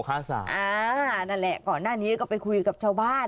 นั่นแหละก่อนหน้านี้ก็ไปคุยกับชาวบ้าน